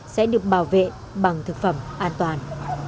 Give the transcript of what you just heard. sẽ được bảo vệ bằng thực phẩm an toàn